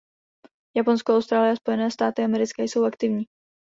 Japonsko, Austrálie a Spojené státy americké jsou aktivní.